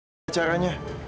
gak ada caranya